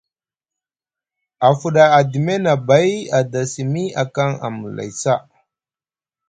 A fuɗa Adime nʼabay, a da simi, a kaŋ amlay ca.